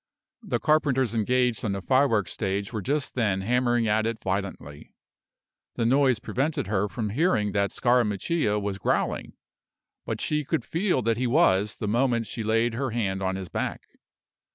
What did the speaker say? The carpenters engaged on the firework stage were just then hammering at it violently. The noise prevented her from hearing that Scarammuccia was growling, but she could feel that he was the moment she laid her hand on his back.